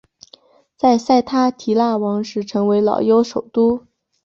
在塞塔提腊王时成为老挝首都。